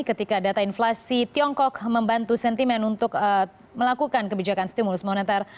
ketika data inflasi tiongkok membantu sentimen untuk melakukan kebijakan stimulus moneter